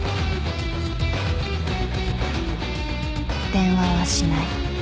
電話はしない。